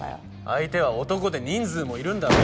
相手は男で人数もいるんだろ？